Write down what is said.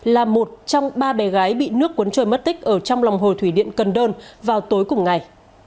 là một trong ba bé gái bị nước cuốn trôi mất tích ở trong lòng hồ thủy điện cần đơn vào tối cùng ngày